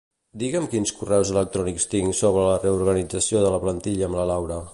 Digue'm quins correus electrònics tinc sobre la reorganització de la plantilla amb la Laura.